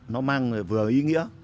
nó mang vừa ý nghĩa